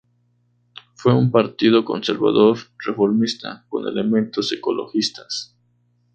Fue un partido conservador reformista con elementos ecologistas.